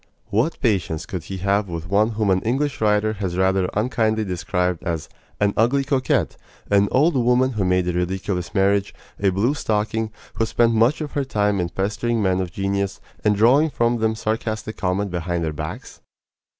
What patience could he have with one whom an English writer has rather unkindly described as "an ugly coquette, an old woman who made a ridiculous marriage, a blue stocking, who spent much of her time in pestering men of genius, and drawing from them sarcastic comment behind their backs?"